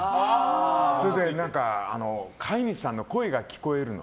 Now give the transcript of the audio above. それで飼い主さんの声が聞こえるの。